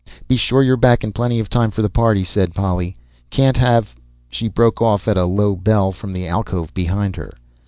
"Be sure you're back in plenty of time for the party," said Polly. "Can't have " She broke off at a low bell from the alcove behind her.